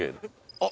「あっ！